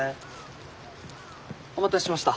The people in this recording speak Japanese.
お待たせしました。